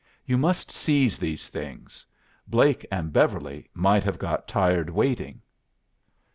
You must seize these things. Blake and Beverly might have got tired waiting."